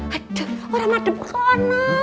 aduh orang madep kono